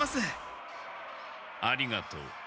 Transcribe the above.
ありがとう。